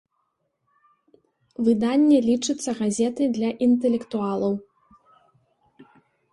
Выданне лічыцца газетай для інтэлектуалаў.